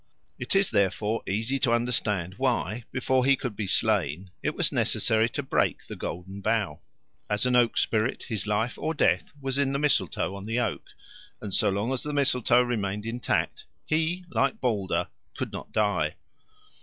It is, therefore, easy to understand why, before he could be slain, it was necessary to break the Golden Bough. As an oak spirit, his life or death was in the mistletoe on the oak, and so long as the mistletoe remained intact, he, like Balder, could not die.